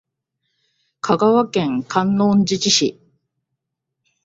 香川県観音寺市